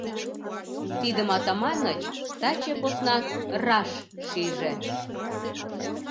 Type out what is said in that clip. Тидым Атаманыч таче поснак раш шиже.